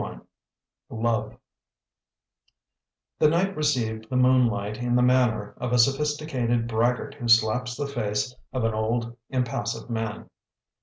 LOVE THE night received the moonlight in the manner of a sophisticated braggart who slaps the face of an old, impassive man.